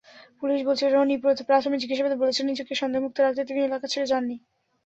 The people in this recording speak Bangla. পুলিশ বলছে, রনি প্রাথমিক জিজ্ঞাসাবাদে বলেছেন নিজেকে সন্দেহমুক্ত রাখতে তিনি এলাকা ছেড়ে যাননি।